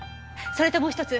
それともう一つ